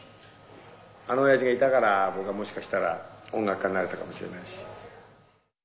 あの親父がいたから僕はもしかしたら音楽家になれたかもしれないし。